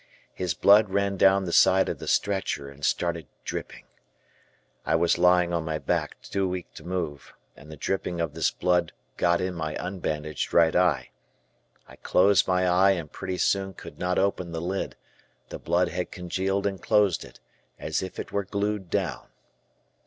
His blood ran down the side of the stretcher and started dripping. I was lying on my back, too weak to move, and the dripping of this blood got me in my unbandaged right eye. I closed my eye and pretty soon could not open the lid; the blood had congealed and closed it, as if it were glued down.